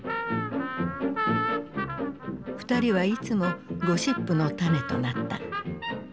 ２人はいつもゴシップの種となった。